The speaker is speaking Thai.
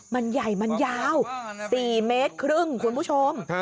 มันใหญ่มันยาว๔เมตรครึ่งคุณผู้ชม